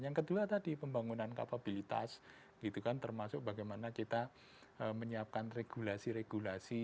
yang kedua tadi pembangunan kapabilitas gitu kan termasuk bagaimana kita menyiapkan regulasi regulasi